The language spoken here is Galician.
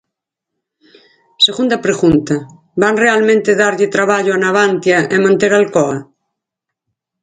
Segunda pregunta: ¿van realmente darlle traballo a Navantia e manter Alcoa?